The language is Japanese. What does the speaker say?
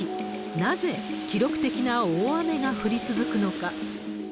なぜ記録的な大雨が降り続くのか。